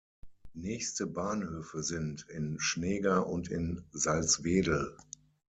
Nächste Bahnhöfe sind in Schnega und in Salzwedel.